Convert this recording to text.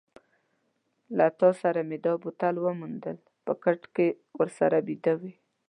له تا سره مې دا بوتل وموندل، په کټ کې ورسره بیده وې.